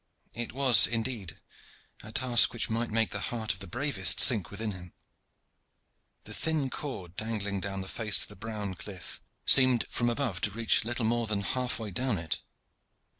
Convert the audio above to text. It was, indeed, a task which might make the heart of the bravest sink within him. The thin cord dangling down the face of the brown cliff seemed from above to reach little more than half way down it.